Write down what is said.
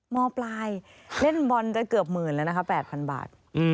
มปลายเล่นบอลไปเกือบหมื่นแล้วนะคะ๘๐๐บาท